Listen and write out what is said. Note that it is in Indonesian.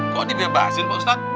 kok dibebasin pak ustadz